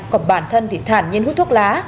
còn bản thân thì thản nhiên hút thuốc lá